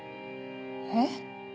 えっ？